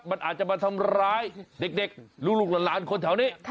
มันอาจจะมาทำร้ายเด็กลูกหลานคนแถวนี้